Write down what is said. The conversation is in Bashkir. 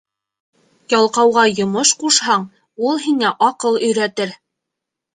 Ялҡауға йомош ҡушһаң, ул һиңә аҡыл өйрәтер.